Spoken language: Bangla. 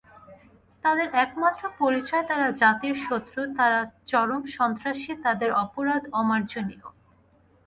তাদের একমাত্র পরিচয় তারা জাতির শত্রু, তারা চরম সন্ত্রাসী, তাদের অপরাধ অমার্জনীয়।